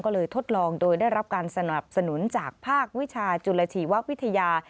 ก็เลยทดลองโดยได้รับการสนับสนุนจากภาควิชาจุลชีววิทยา